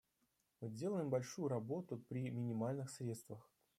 Мы делаем большую работу при минимальных средствах.